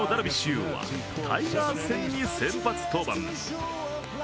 有はタイガース戦に先発登板。